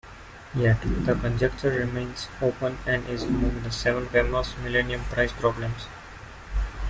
Yet, the conjecture remains open and is among the seven famous Millennium Prize Problems.